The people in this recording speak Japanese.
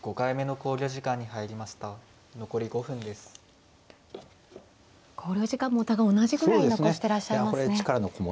考慮時間もお互い同じぐらい残してらっしゃいますね。